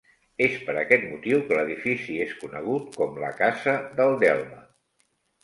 És per aquest motiu que l'edifici és conegut com la casa del Delme.